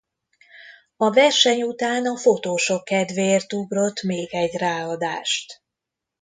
A verseny után a fotósok kedvéért ugrott még egy ráadást.